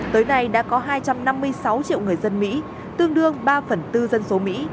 tới nay đã có hai trăm năm mươi sáu triệu người dân mỹ tương đương ba phần tư dân số mỹ